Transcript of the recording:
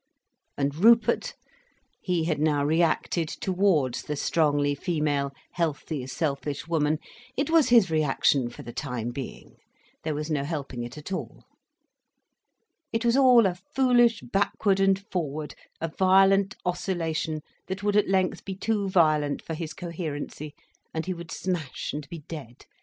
And Rupert—he had now reacted towards the strongly female, healthy, selfish woman—it was his reaction for the time being—there was no helping it all. It was all a foolish backward and forward, a violent oscillation that would at length be too violent for his coherency, and he would smash and be dead.